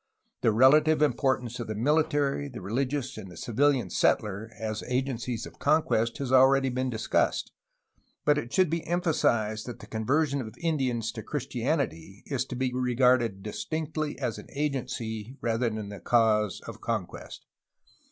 The relative importance of the military, the religious, and the civilian settler as agencies of conquest has already been discussed, but it should be emphasized that the conversion of Indians 188 A HISTORY OF CALIFORNIA to Christianity is to be regarded distinctly as an agency, rather than as a cause, of conquest.